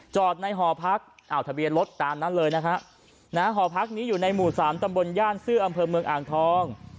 จอดในหอพักทะเบียนรถตามนั้นเลยนะฮะหอพักนี้อยู่ในหมู่สามตำบลย่านซื่ออำเภอเมืองอ่างทอง